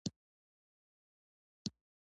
اوبه د پاکوالي لپاره کارېږي.